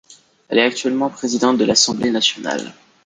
Elle est actuellement présidente de l’Assemblée nationale.